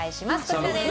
こちらです。